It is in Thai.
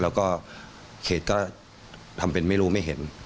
แล้วก็เขตก็ทำเป็นไม่รู้ไม่เห็น